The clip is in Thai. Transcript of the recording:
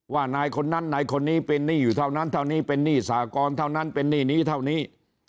ว่านายคนนั้นนายคนนี้เป็นหนี้อยู่เท่านั้นเท่านี้เป็นหนี้สากรเท่านั้นเป็นหนี้นี้เท่านี้